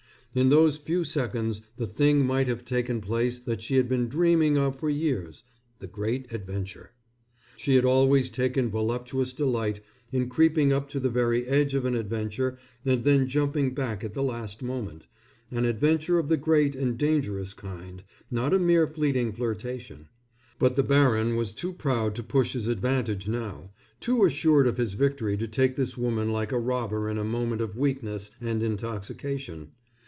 In those few seconds the thing might have taken place that she had been dreaming of for years, the great adventure. She had always taken voluptuous delight in creeping up to the very edge of an adventure and then jumping back at the last moment, an adventure of the great and dangerous kind, not a mere fleeting flirtation. But the baron was too proud to push his advantage now, too assured of his victory to take this woman like a robber in a moment of weakness and intoxication.